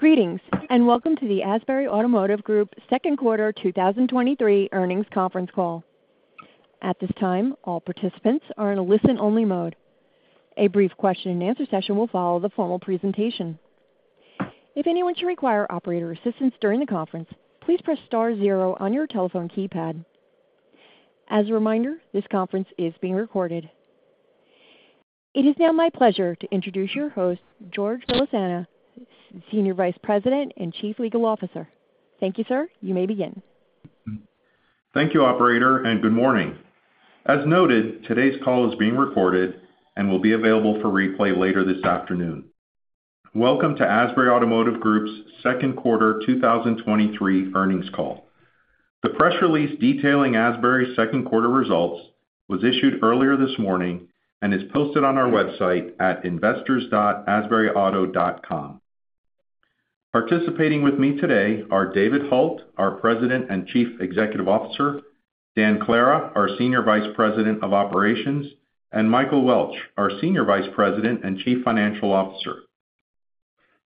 Greetings. Welcome to the Asbury Automotive Group Second Quarter 2023 Earnings Conference Call. At this time, all participants are in a listen-only mode. A brief Q&A session will follow the formal presentation. If anyone should require operator assistance during the conference, please press star zero on your telephone keypad. As a reminder, this conference is being recorded. It is now my pleasure to introduce your host, George Villasana, Senior Vice President and Chief Legal Officer. Thank you, sir. You may begin. Thank you, operator. Good morning. As noted, today's call is being recorded and will be available for replay later this afternoon. Welcome to Asbury Automotive Group's Second Quarter 2023 Earnings Call. The press release detailing Asbury's second quarter results was issued earlier this morning and is posted on our website at investors.asburyauto.com. Participating with me today are David Hult, our President and Chief Executive Officer, Dan Clara, our Senior Vice President of Operations, and Michael Welch, our Senior Vice President and Chief Financial Officer.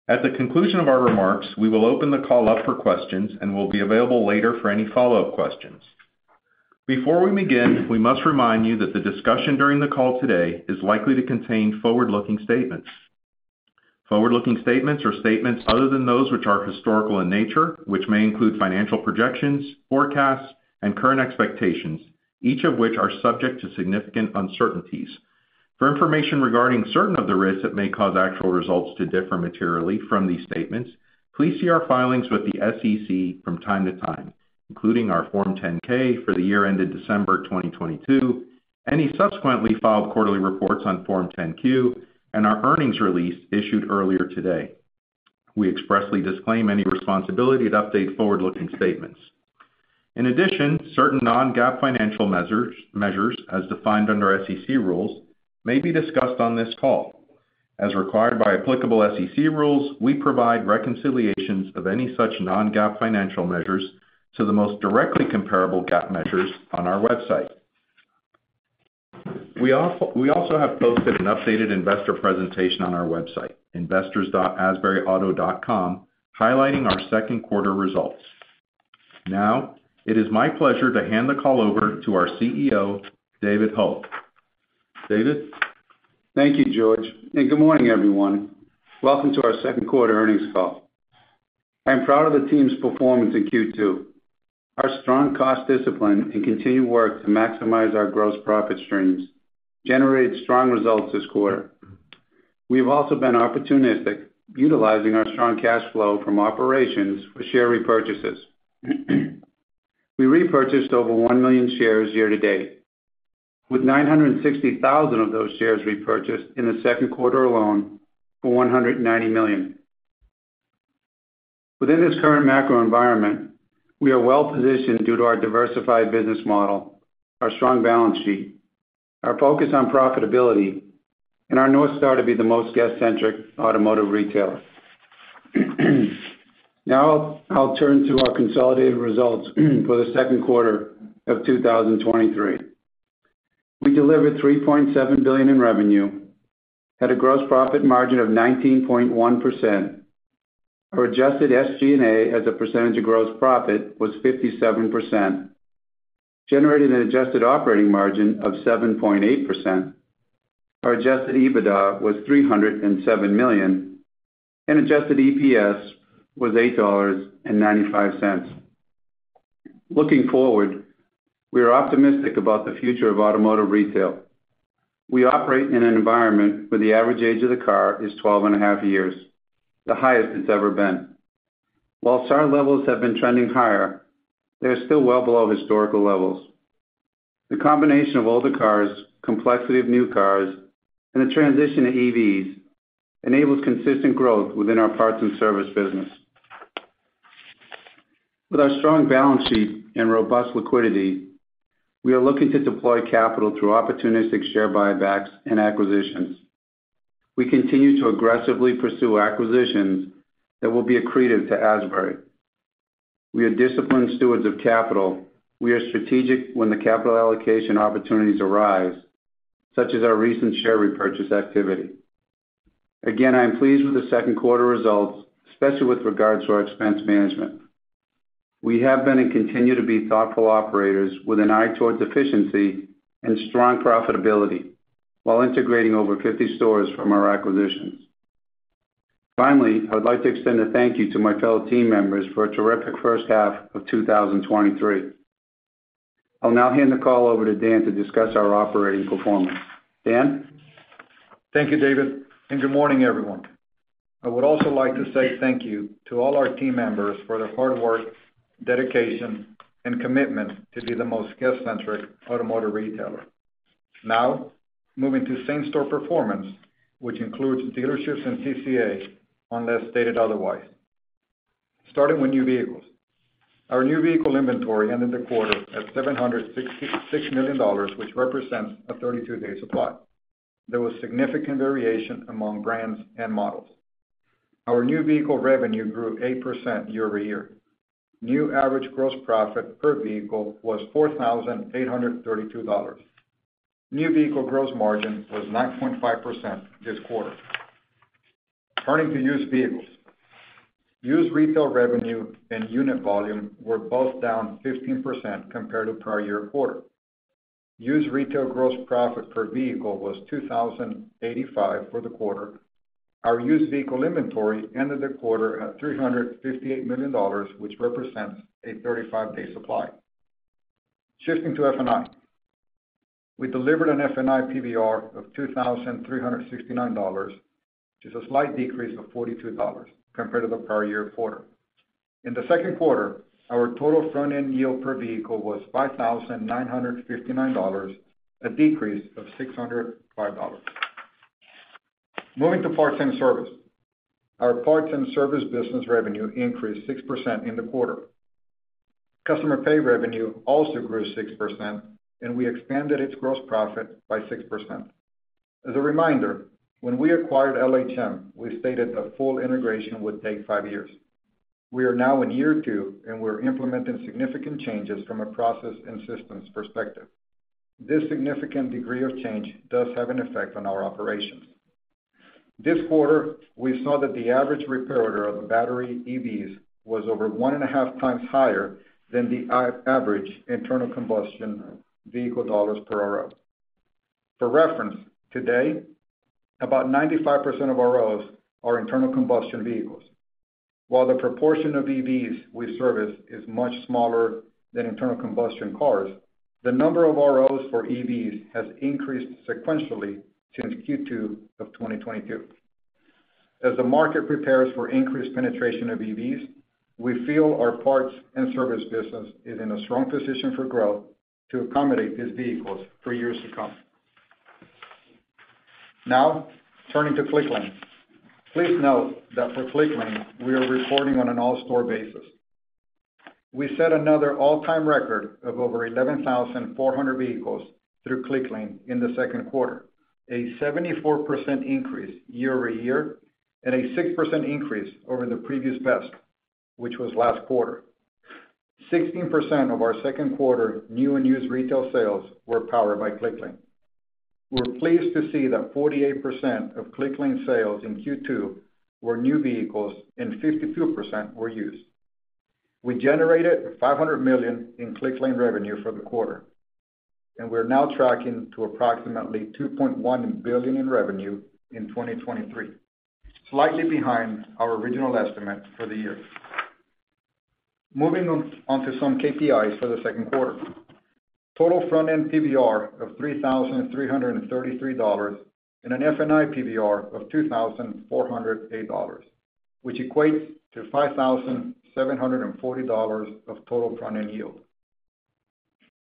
At the conclusion of our remarks, we will open the call up for questions and will be available later for any follow-up questions. Before we begin, we must remind you that the discussion during the call today is likely to contain forward-looking statements. Forward-looking statements or statements other than those which are historical in nature, which may include financial projections, forecasts, and current expectations, each of which are subject to significant uncertainties. For information regarding certain of the risks that may cause actual results to differ materially from these statements, please see our filings with the SEC from time to time, including our Form 10-K for the year ended December 2022, any subsequently filed quarterly reports on Form 10-Q, and our earnings release issued earlier today. We expressly disclaim any responsibility to update forward-looking statements. In addition, certain non-GAAP financial measures as defined under SEC rules, may be discussed on this call. As required by applicable SEC rules, we provide reconciliations of any such non-GAAP financial measures to the most directly comparable GAAP measures on our website. We also have posted an updated investor presentation on our website, investors.asburyauto.com, highlighting our second quarter results. Now, it is my pleasure to hand the call over to our CEO, David Hult. David? Thank you, George, and good morning, everyone. Welcome to our second quarter earnings call. I'm proud of the team's performance in Q2. Our strong cost discipline and continued work to maximize our gross profit streams generated strong results this quarter. We've also been opportunistic, utilizing our strong cash flow from operations for share repurchases. We repurchased over 1 million shares year to date, with 960,000 of those shares repurchased in the second quarter alone for $190 million. Within this current macro environment, we are well-positioned due to our diversified business model, our strong balance sheet, our focus on profitability, and our North Star to be the most guest-centric automotive retailer. Now, I'll turn to our consolidated results for the second quarter of 2023. We delivered $3.7 billion in revenue, had a gross profit margin of 19.1%. Our adjusted SG&A as a percentage of gross profit was 57%, generating an adjusted operating margin of 7.8%. Our adjusted EBITDA was $307 million, and adjusted EPS was $8.95. Looking forward, we are optimistic about the future of automotive retail. We operate in an environment where the average age of the car is 12.5 years, the highest it's ever been. While start levels have been trending higher, they're still well below historical levels. The combination of older cars, complexity of new cars, and the transition to EVs enables consistent growth within our parts and service business. With our strong balance sheet and robust liquidity, we are looking to deploy capital through opportunistic share buybacks and acquisitions. We continue to aggressively pursue acquisitions that will be accretive to Asbury. We are disciplined stewards of capital. We are strategic when the capital allocation opportunities arise, such as our recent share repurchase activity. Again, I'm pleased with the second quarter results, especially with regards to our expense management. We have been and continue to be thoughtful operators with an eye towards efficiency and strong profitability, while integrating over 50 stores from our acquisitions. Finally, I would like to extend a thank you to my fellow team members for a terrific first half of 2023. I'll now hand the call over to Dan to discuss our operating performance. Dan? Thank you, David. Good morning, everyone. I would also like to say thank you to all our team members for their hard work, dedication, and commitment to be the most guest-centric automotive retailer. Moving to same-store performance, which includes dealerships and TCA, unless stated otherwise. Starting with new vehicles. Our new vehicle inventory ended the quarter at $766 million, which represents a 32-day supply. There was significant variation among brands and models. Our new vehicle revenue grew 8% year-over-year. New average gross profit per vehicle was $4,832. New vehicle gross margin was 9.5% this quarter. Turning to used vehicles. Used retail revenue and unit volume were both down 15% compared to prior-year quarter. Used retail gross profit per vehicle was $2,085 for the quarter. Our used vehicle inventory ended the quarter at $358 million, which represents a 35-day supply. Shifting to F&I. We delivered an F&I PVR of $2,369, which is a slight decrease of $42 compared to the prior year quarter. In the second quarter, our total front-end yield per vehicle was $5,959, a decrease of $605. Moving to parts and service. Our parts and service business revenue increased 6% in the quarter. Customer pay revenue also grew 6%. We expanded its gross profit by 6%. As a reminder, when we acquired LHM, we stated that full integration would take five years. We are now in year two. We're implementing significant changes from a process and systems perspective. This significant degree of change does have an effect on our operations. This quarter, we saw that the average repair order of battery EVs was over one and a half times higher than the average internal combustion vehicle dollars per RO. For reference, today, about 95% of ROs are internal combustion vehicles. While the proportion of EVs we service is much smaller than internal combustion cars, the number of ROs for EVs has increased sequentially since Q2 of 2022. As the market prepares for increased penetration of EVs, we feel our parts and service business is in a strong position for growth to accommodate these vehicles for years to come. Turning to Clicklane. Please note that for Clicklane, we are reporting on an all-store basis. We set another all-time record of over 11,400 vehicles through Clicklane in the second quarter, a 74% increase year-over-year and a 6% increase over the previous best, which was last quarter. 16% of our second quarter new and used retail sales were powered by Clicklane. We're pleased to see that 48% of Clicklane sales in Q2 were new vehicles and 52% were used. We generated $500 million in Clicklane revenue for the quarter, and we're now tracking to approximately $2.1 billion in revenue in 2023, slightly behind our original estimate for the year. Moving on, onto some KPIs for the second quarter. Total front-end PVR of $3,333 and an F&I PVR of $2,408, which equates to $5,740 of total front-end yield.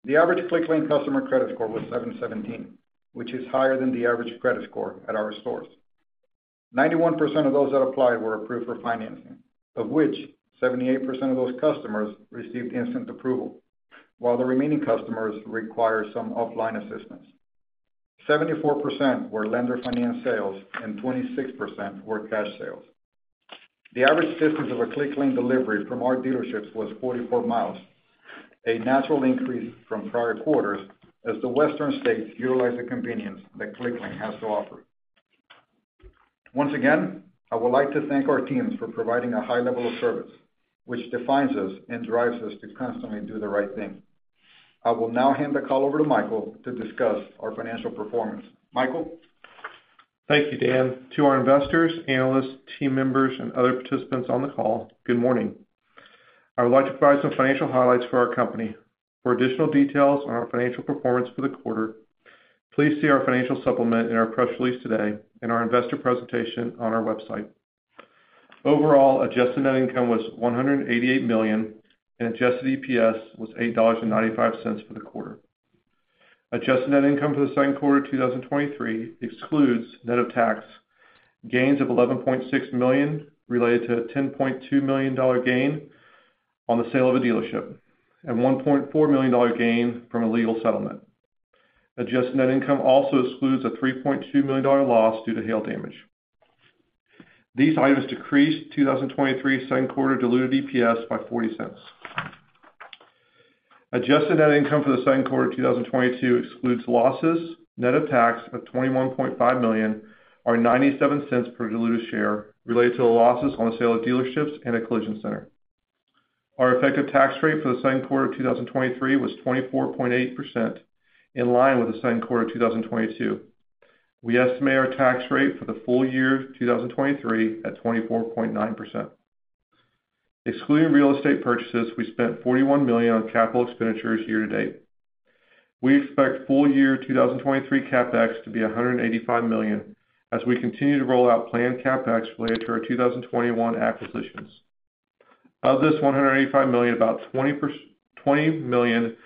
The average Clicklane customer credit score was 717, which is higher than the average credit score at our stores. 91% of those that applied were approved for financing, of which 78% of those customers received instant approval, while the remaining customers required some offline assistance. 74% were lender finance sales and 26% were cash sales. The average distance of a Clicklane delivery from our dealerships was 44 mi, a natural increase from prior quarters as the western states utilize the convenience that Clicklane has to offer. Once again, I would like to thank our teams for providing a high level of service, which defines us and drives us to constantly do the right thing. I will now hand the call over to Michael to discuss our financial performance. Michael? Thank you, Dan. To our investors, analysts, team members, and other participants on the call, good morning. I would like to provide some financial highlights for our company. For additional details on our financial performance for the quarter, please see our financial supplement in our press release today and our investor presentation on our website. Overall, adjusted net income was $188 million, adjusted EPS was $8.95 for the quarter. Adjusted net income for the second quarter of 2023 excludes net of tax, gains of $11.6 million, related to a $10.2 million gain on the sale of a dealership, and $1.4 million gain from a legal settlement. Adjusted net income also excludes a $3.2 million loss due to hail damage. These items decreased 2023 second quarter diluted EPS by $0.40. Adjusted net income for the second quarter of 2022 excludes losses, net of tax of $21.5 million, or $0.97 per diluted share, related to the losses on the sale of dealerships and a collision center. Our effective tax rate for the second quarter of 2023 was 24.8%, in line with the second quarter of 2022. We estimate our tax rate for the full year of 2023 at 24.9%. Excluding real estate purchases, we spent $41 million on capital expenditures year to date. We expect full year 2023 CapEx to be $185 million as we continue to roll out planned CapEx related to our 2021 acquisitions. Of this $185 million, about $20 million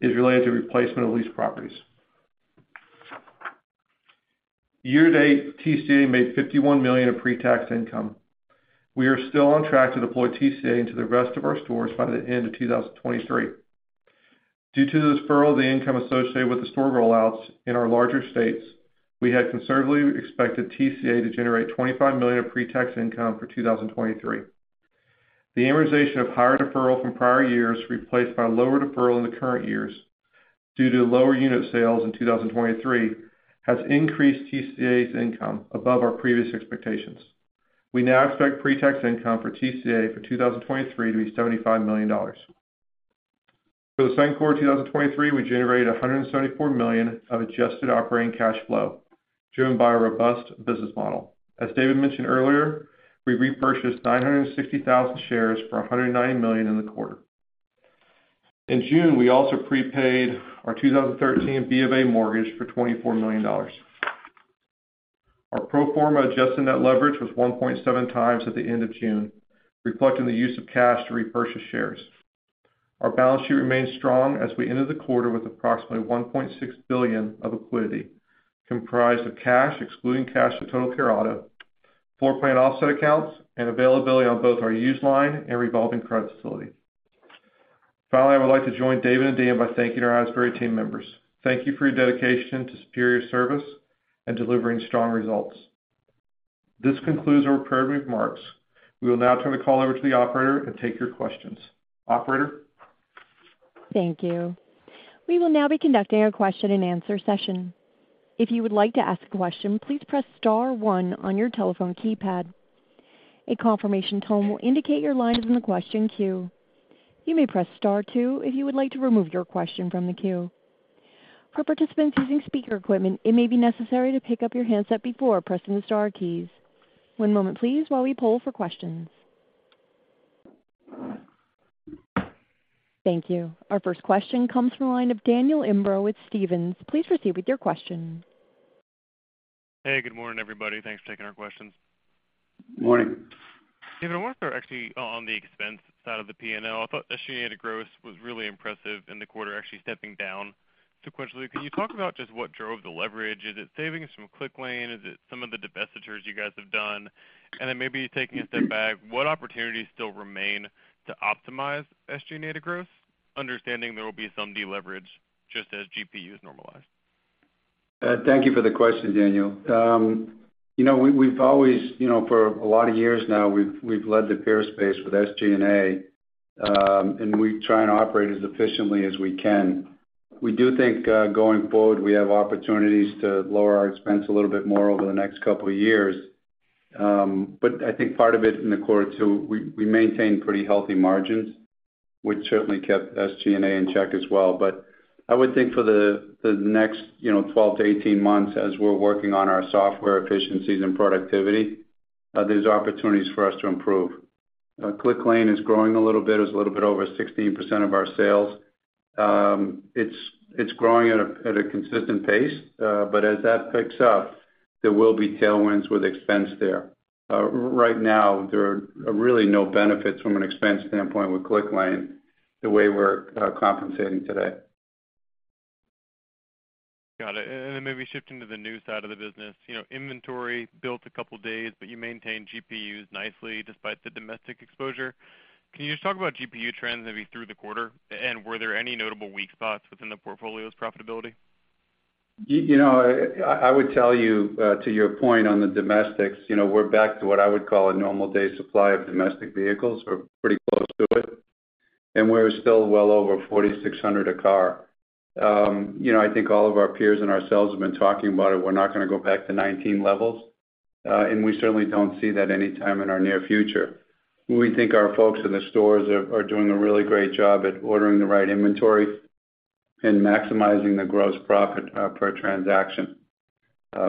is related to replacement of lease properties. Year to date, TCA made $51 million of pre-tax income. We are still on track to deploy TCA into the rest of our stores by the end of 2023. Due to the deferral of the income associated with the store rollouts in our larger states, we had conservatively expected TCA to generate $25 million of pre-tax income for 2023. The amortization of higher deferral from prior years replaced by lower deferral in the current years, due to lower unit sales in 2023, has increased TCA's income above our previous expectations. We now expect pretax income for TCA for 2023 to be $75 million. For the second quarter of 2023, we generated $174 million of adjusted operating cash flow, driven by a robust business model. As David mentioned earlier, we repurchased 960,000 shares for $190 million in the quarter. In June, we also prepaid our 2013 B of A mortgage for $24 million. Our pro forma adjusted net leverage was 1.7 times at the end of June, reflecting the use of cash to repurchase shares. Our balance sheet remains strong as we ended the quarter with approximately $1.6 billion of liquidity, comprised of cash, excluding cash from Total Care Auto, floorplan offset accounts, and availability on both our use line and revolving credit facility. Finally, I would like to join David and Dan by thanking our Asbury team members. Thank you for your dedication to superior service and delivering strong results. This concludes our prepared remarks. We will now turn the call over to the operator and take your questions. Operator? Thank you. We will now be conducting our Q&A session. If you would like to ask a question, please press star one on your telephone keypad. A confirmation tone will indicate your line is in the question queue. You may press star two if you would like to remove your question from the queue. For participants using speaker equipment, it may be necessary to pick up your handset before pressing the star keys. One moment, please, while we poll for questions. Thank you. Our first question comes from the line of Daniel Imbro with Stephens. Please proceed with your question. Hey, good morning, everybody. Thanks for taking our questions. Good morning. David, I want to start actually on the expense side of the P&L. I thought SG&A gross was really impressive in the quarter, actually stepping down sequentially. Can you talk about just what drove the leverage? Is it savings from Clicklane? Is it some of the divestitures you guys have done? Maybe taking a step back, what opportunities still remain to optimize SG&A gross, understanding there will be some deleverage just as GPU is normalized? Thank you for the question, Daniel. You know, we've always, you know, for a lot of years now, we've led the peer space with SG&A. We try and operate as efficiently as we can. We do think, going forward, we have opportunities to lower our expense a little bit more over the next couple of years. I think part of it in the quarter, too, we maintain pretty healthy margins, which certainly kept SG&A in check as well. I would think for the next, you know, 12-18 months, as we're working on our software efficiencies and productivity, there's opportunities for us to improve. Clicklane is growing a little bit. It's a little bit over 16% of our sales. It's growing at a consistent pace, but as that picks up, there will be tailwinds with expense there. Right now, there are really no benefits from an expense standpoint with Clicklane, the way we're compensating today. Got it. Then maybe shifting to the new side of the business. You know, inventory built a couple of days, you maintained GPUs nicely despite the domestic exposure. Can you just talk about GPU trends maybe through the quarter? Were there any notable weak spots within the portfolio's profitability? You know, I would tell you, to your point on the domestics, you know, we're back to what I would call a normal day supply of domestic vehicles, or pretty close to it, and we're still well over $4,600 a car. You know, I think all of our peers and ourselves have been talking about it. We're not gonna go back to 2019 levels, and we certainly don't see that anytime in our near future. We think our folks in the stores are doing a really great job at ordering the right inventory and maximizing the gross profit per transaction.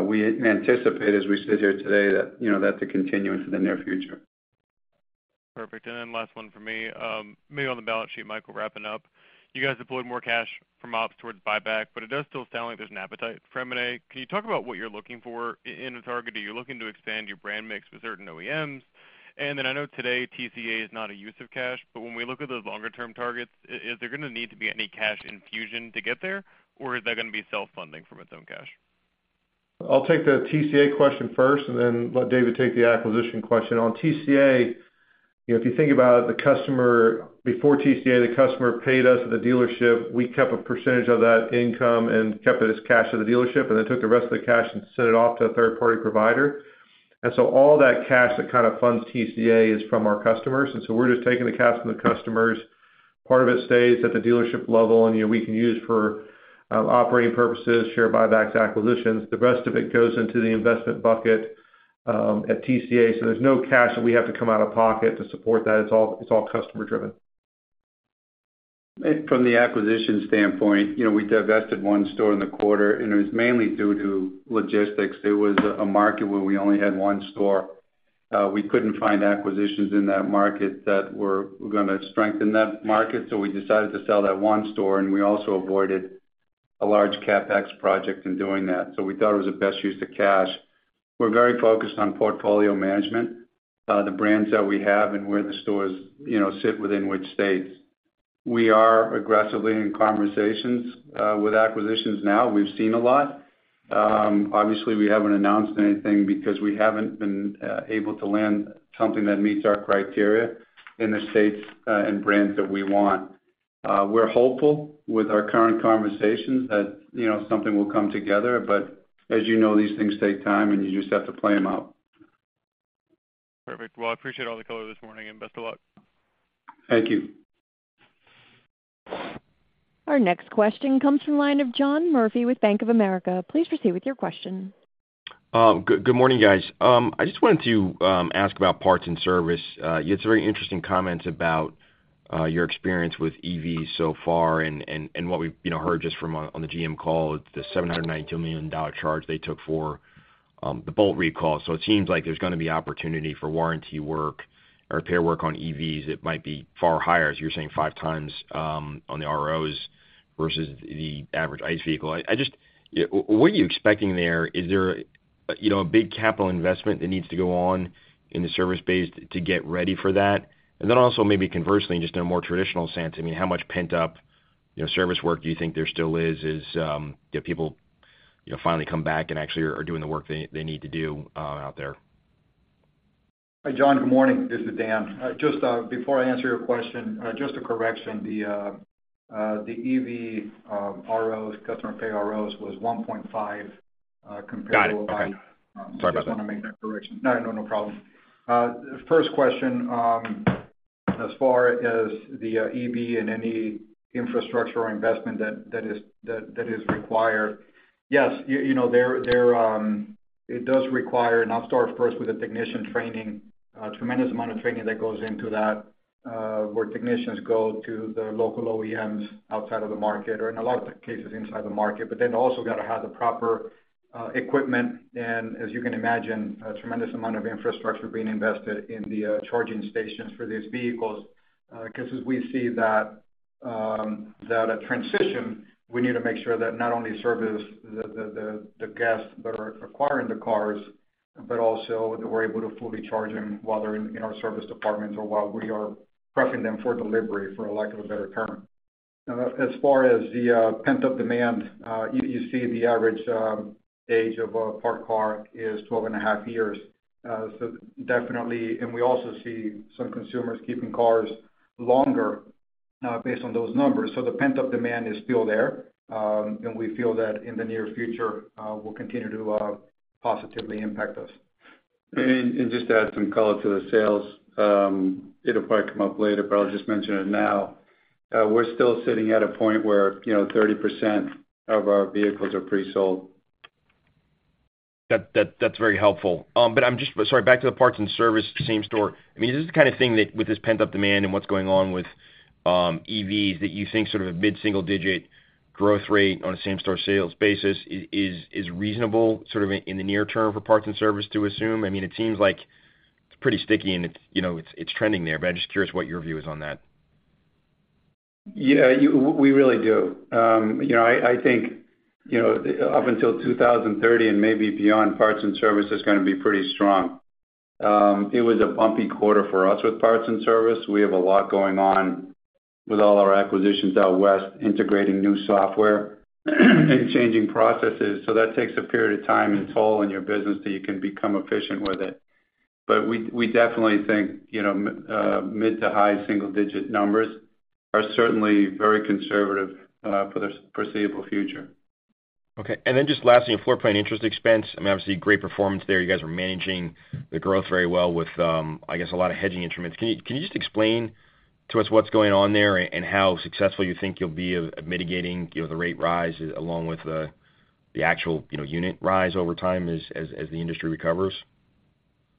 We anticipate, as we sit here today, that, you know, that's a continuance in the near future. Perfect. Last one for me. Maybe on the balance sheet, Michael, wrapping up. You guys deployed more cash from ops towards buyback, but it does still sound like there's an appetite for M&A. Can you talk about what you're looking for in a target? Are you looking to expand your brand mix with certain OEMs? I know today, TCA is not a use of cash, but when we look at those longer-term targets, is there gonna need to be any cash infusion to get there, or is that gonna be self-funding from its own cash? I'll take the TCA question first, then let David take the acquisition question. On TCA, you know, if you think about it, before TCA, the customer paid us at the dealership. We kept a percentage of that income and kept it as cash to the dealership, then took the rest of the cash and sent it off to a third-party provider. All that cash that kind of funds TCA is from our customers, and so we're just taking the cash from the customers. Part of it stays at the dealership level, you know, we can use for operating purposes, share buybacks, acquisitions. The rest of it goes into the investment bucket at TCA, there's no cash that we have to come out of pocket to support that. It's all customer driven. From the acquisition standpoint, you know, we divested one store in the quarter, and it was mainly due to logistics. It was a market where we only had one store. We couldn't find acquisitions in that market that were gonna strengthen that market, so we decided to sell that one store, and we also avoided a large CapEx project in doing that. We thought it was the best use of cash. We're very focused on portfolio management, the brands that we have and where the stores, you know, sit within which states. We are aggressively in conversations with acquisitions now. We've seen a lot. Obviously, we haven't announced anything because we haven't been able to land something that meets our criteria in the states and brands that we want. We're hopeful with our current conversations that, you know, something will come together. As you know, these things take time, and you just have to play them out. Perfect. Well, I appreciate all the color this morning. Best of luck. Thank you. Our next question comes from the line of John Murphy with Bank of America. Please proceed with your question. Good morning, guys. I just wanted to ask about parts and service. You had some very interesting comments about your experience with EVs so far, and what we've, you know, heard just from on the GM call, the $792 million charge they took for the Bolt recall. It seems like there's gonna be opportunity for warranty work or repair work on EVs that might be far higher, as you were saying, five times on the ROs versus the average IC vehicle. Yeah, what are you expecting there? Is there, you know, a big capital investment that needs to go on in the service base to get ready for that? Also, maybe conversely, just in a more traditional sense, I mean, how much pent-up, you know, service work do you think there still is, do people, you know, finally come back and actually are doing the work they need to do out there? Hi, John, good morning. This is Dan. Just before I answer your question, just a correction, the EV ROs, customer pay ROs was 1.5 compared to. Got it. Okay. Um. Sorry about that. Just want to make that correction. No, no problem. First question, as far as the EV and any infrastructure or investment that is required, yes, you know, there, it does require, and I'll start first with the technician training, tremendous amount of training that goes into that, where technicians go to the local OEMs outside of the market or in a lot of the cases inside the market, but then also got to have the proper equipment. As you can imagine, a tremendous amount of infrastructure being invested in the charging stations for these vehicles. As we see that a transition, we need to make sure that not only service the guests that are acquiring the cars, but also that we're able to fully charge them while they're in our service departments or while we are prepping them for delivery, for lack of a better term. As far as the pent-up demand, you see the average age of a parked car is 12.5 years. So definitely. We also see some consumers keeping cars longer, based on those numbers. The pent-up demand is still there, and we feel that in the near future will continue to positively impact us. Just to add some color to the sales, it'll probably come up later, but I'll just mention it now. We're still sitting at a point where, you know, 30% of our vehicles are pre-sold. That's very helpful. I'm just sorry, back to the parts and service, same store. I mean, is this the kind of thing that, with this pent-up demand and what's going on with EVs, that you think sort of a mid-single digit growth rate on a same-store sales basis is reasonable, sort of in the near term for parts and service to assume? I mean, it seems like it's pretty sticky, and it's, you know, it's trending there, but I'm just curious what your view is on that. Yeah, we really do. You know, I think, you know, up until 2030 and maybe beyond, parts and service is going to be pretty strong. It was a bumpy quarter for us with parts and service. We have a lot going on with all our acquisitions out west, integrating new software, and changing processes. That takes a period of time and toll on your business so you can become efficient with it. We definitely think, you know, mid to high single-digit numbers are certainly very conservative for the foreseeable future. Okay. Just lastly, on floorplan interest expense, I mean, obviously, great performance there. You guys are managing the growth very well with, I guess, a lot of hedging instruments. Can you just explain to us what's going on there and how successful you think you'll be at mitigating, you know, the rate rise along with the actual, you know, unit rise over time as the industry recovers?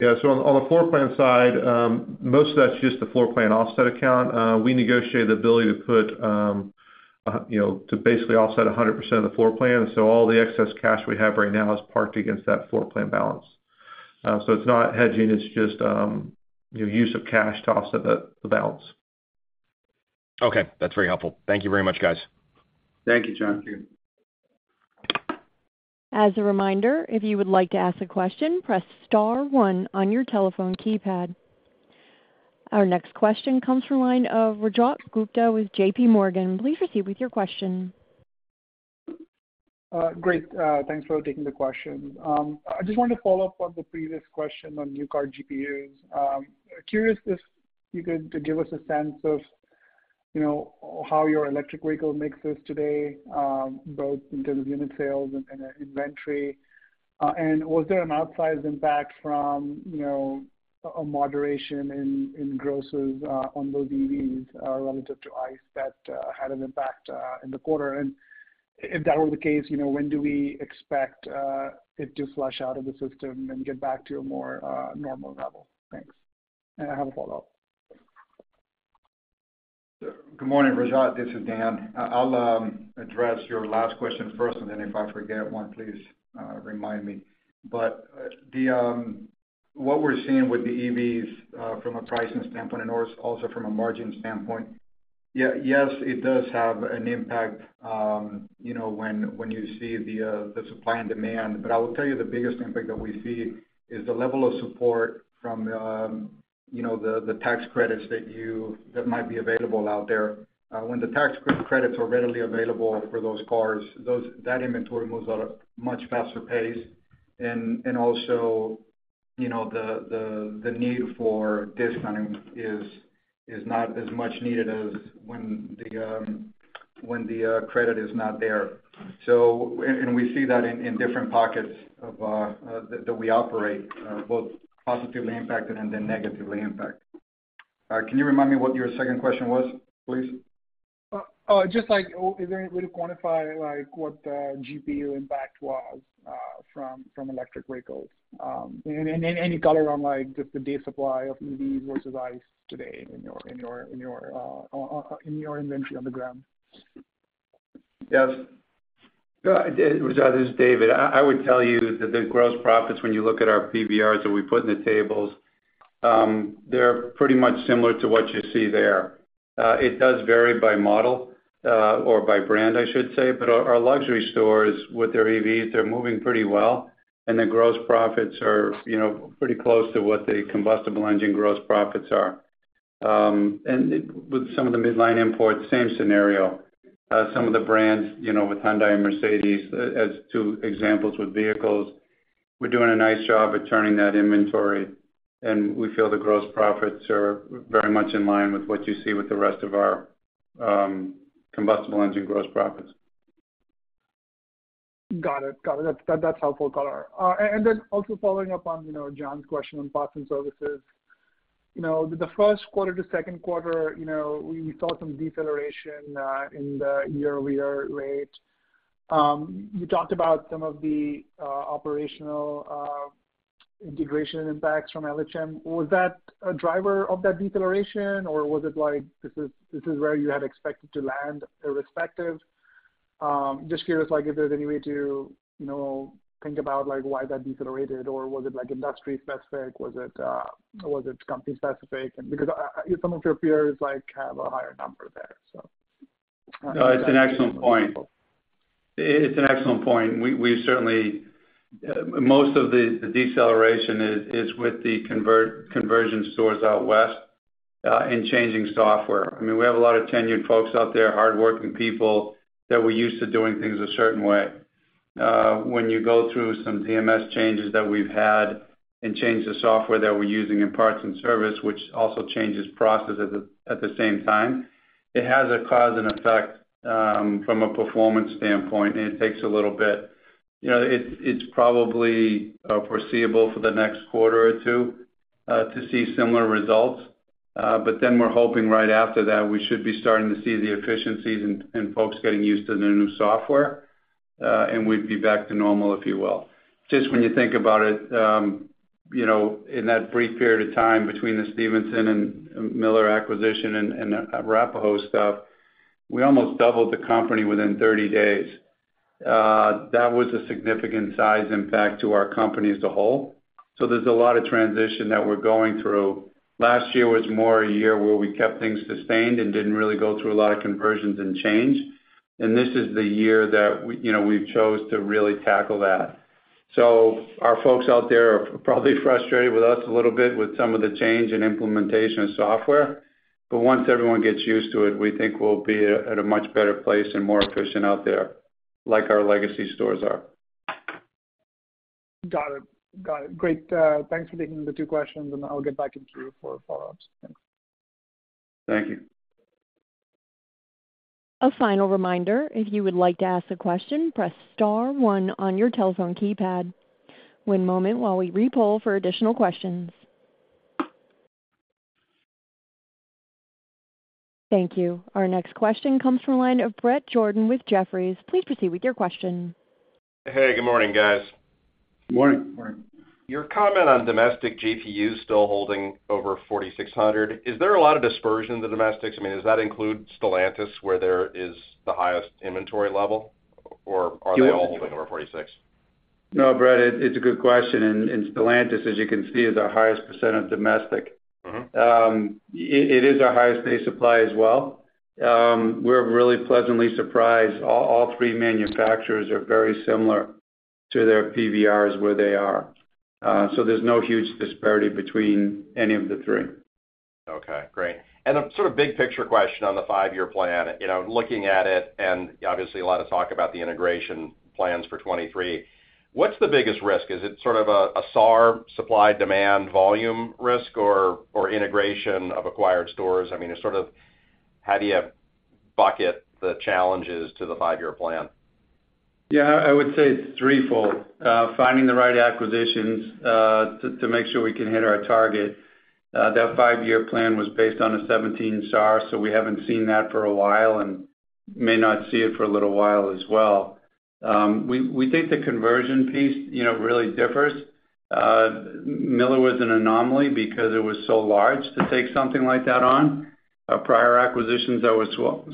Yeah. On the floorplan side, most of that's just the floorplan offset account. We negotiated the ability to put, you know, to basically offset 100% of the floorplan. All the excess cash we have right now is parked against that floorplan balance. It's not hedging, it's just, you know, use of cash to offset the balance. Okay, that's very helpful. Thank you very much, guys. Thank you, John. Thank you. As a reminder, if you would like to ask a question, press star one on your telephone keypad. Our next question comes from line of Rajat Gupta with JPMorgan. Please proceed with your question. Great. Thanks for taking the question. I just wanted to follow up on the previous question on new car GPUs. Curious if you could give us a sense of, you know, how your electric vehicle mixes today, both in terms of unit sales and inventory? Was there an outsized impact from, you know, a moderation in grosses on those EVs relative to IC that had an impact in the quarter? If that was the case, you know, when do we expect it to flush out of the system and get back to a more normal level? Thanks. I have a follow-up. Good morning, Rajat, this is Dan. I'll address your last question first, and then if I forget one, please remind me. What we're seeing with the EVs from a pricing standpoint and also from a margin standpoint, yes, it does have an impact, you know, when you see the supply and demand. I will tell you the biggest impact that we see is the level of support from, you know, the tax credits that might be available out there. When the tax credits are readily available for those cars, that inventory moves at a much faster pace. You know, the need for discounting is not as much needed as when the credit is not there. We see that in different pockets of that we operate, both positively impacted and then negatively impacted. Can you remind me what your second question was, please? Just like, is there a way to quantify, like, what the GPU impact was from electric vehicles? Any color on, like, just the day supply of EVs versus IC today in your inventory on the ground? Yes. Raj, this is David. I would tell you that the gross profits, when you look at our PVRs that we put in the tables, they're pretty much similar to what you see there. It does vary by model, or by brand, I should say, but our luxury stores with their EVs, they're moving pretty well, and the gross profits are, you know, pretty close to what the combustible engine gross profits are. And with some of the midline imports, same scenario. Some of the brands, you know, with Hyundai and Mercedes, as two examples with vehicles, we're doing a nice job at turning that inventory, and we feel the gross profits are very much in line with what you see with the rest of our combustible engine gross profits. Got it. Got it. That's, that's helpful color. Also following up on, you know, John's question on parts and services. You know, the first quarter to second quarter, you know, we saw some deceleration in the year-over-year rate. You talked about some of the operational integration impacts from LHM. Was that a driver of that deceleration, or was it like, this is where you had expected to land irrespective? Just curious, like, if there's any way to, you know, think about, like, why that decelerated, or was it, like, industry specific? Was it, was it company specific? Because some of your peers, like, have a higher number there, so. No, it's an excellent point. It's an excellent point. We certainly, most of the deceleration is with the conversion stores out west and changing software. I mean, we have a lot of tenured folks out there, hardworking people, that were used to doing things a certain way. When you go through some DMS changes that we've had and change the software that we're using in parts and service, which also changes processes at the same time, it has a cause and effect from a performance standpoint, and it takes a little bit. You know, it's probably foreseeable for the next quarter or two to see similar results. We're hoping right after that, we should be starting to see the efficiencies and folks getting used to the new software, and we'd be back to normal, if you will. Just when you think about it, you know, in that brief period of time between the Stevinson and Miller acquisition and the Arapahoe stuff, we almost doubled the company within 30 days. That was a significant size impact to our company as a whole, so there's a lot of transition that we're going through. Last year was more a year where we kept things sustained and didn't really go through a lot of conversions and change, and this is the year that we, you know, we've chose to really tackle that. Our folks out there are probably frustrated with us a little bit with some of the change and implementation of software, but once everyone gets used to it, we think we'll be at a much better place and more efficient out there, like our legacy stores are. Got it. Got it. Great, thanks for taking the two questions. I'll get back in queue for follow-ups. Thanks. Thank you. A final reminder, if you would like to ask a question, press star one on your telephone keypad. One moment while we re-poll for additional questions. Thank you. Our next question comes from the line of Bret Jordan with Jefferies. Please proceed with your question. Hey, good morning, guys. Good morning. Morning. Your comment on domestic GPUs still holding over $4,600, is there a lot of dispersion in the domestics? I mean, does that include Stellantis, where there is the highest inventory level, or are they all over $4,600? No, Bret, it's a good question, and Stellantis, as you can see, is our highest percent of domestic. Mm-hmm. It is our highest day supply as well. We're really pleasantly surprised. All three manufacturers are very similar to their PVRs, where they are. There's no huge disparity between any of the three. Okay, great. A sort of big-picture question on the five-year plan. You know, looking at it, obviously, a lot of talk about the integration plans for 2023, what's the biggest risk? Is it sort of a SAAR, supply-demand volume risk, or integration of acquired stores? I mean, it's sort of how do you bucket the challenges to the five-year plan? Yeah, I would say it's threefold. Finding the right acquisitions to make sure we can hit our target. That 5-year plan was based on a 17 SAAR, we haven't seen that for a while and may not see it for a little while as well. We think the conversion piece, you know, really differs. Miller was an anomaly because it was so large to take something like that on. Our prior acquisitions that were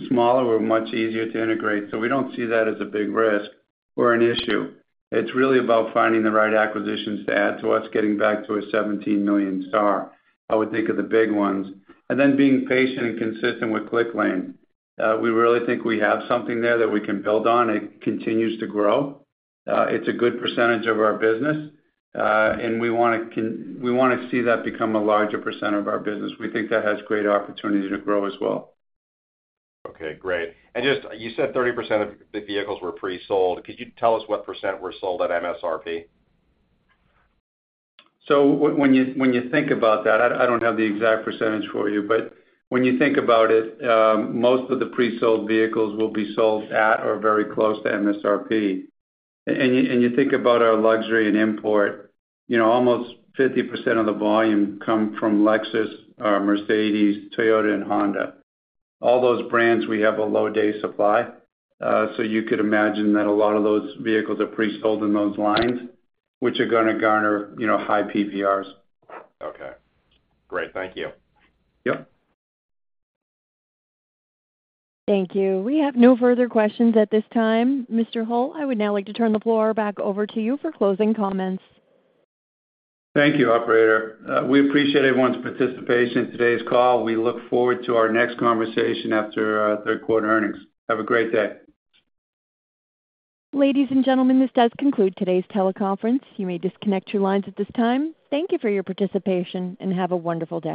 smaller were much easier to integrate, we don't see that as a big risk or an issue. It's really about finding the right acquisitions to add to what's getting back to a 17 million SAAR, I would think are the big ones. Being patient and consistent with Clicklane. We really think we have something there that we can build on. It continues to grow. It's a good percentage of our business, we wanna see that become a larger percentage of our business. We think that has great opportunity to grow as well. Okay, great. Just, you said 30% of the vehicles were pre-sold. Could you tell us what % were sold at MSRP? When you think about that, I don't have the exact percentage for you, but when you think about it, most of the pre-sold vehicles will be sold at or very close to MSRP. You think about our luxury and import, you know, almost 50% of the volume come from Lexus, Mercedes, Toyota and Honda. All those brands, we have a low day supply, so you could imagine that a lot of those vehicles are pre-sold in those lines, which are gonna garner, you know, high PVRs. Okay, great. Thank you. Yep. Thank you. We have no further questions at this time. Mr. Hult, I would now like to turn the floor back over to you for closing comments. Thank you, operator. We appreciate everyone's participation in today's call. We look forward to our next conversation after our third quarter earnings. Have a great day. Ladies and gentlemen, this does conclude today's teleconference. You may disconnect your lines at this time. Thank you for your participation, and have a wonderful day.